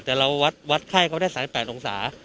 แต่เราวัดไข้เขาได้สาย๘องศา